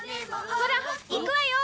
ほら行くわよ。